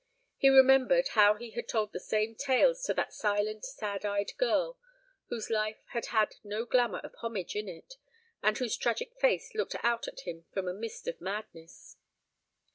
He remembered how he had told the same tales to that silent, sad eyed girl whose life had had no glamour of homage in it, and whose tragic face looked out at him from a mist of madness.